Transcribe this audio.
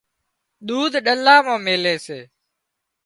ۮود ڏلا مان ميلي سي